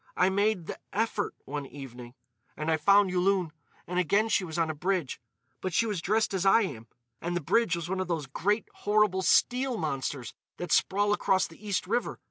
I made the effort one evening. And I found Yulun. And again she was on a bridge. But she was dressed as I am. And the bridge was one of those great, horrible steel monsters that sprawl across the East River.